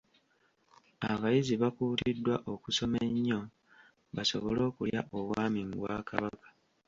Abayizi bakuutiddwa okusoma ennyo basobole okulya Obwami mu Bwakabaka.